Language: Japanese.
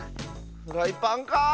フライパンか？